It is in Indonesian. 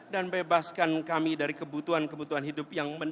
dan bebaskan kami dari kebutuhan kebutuhan hidup yang tidak muncul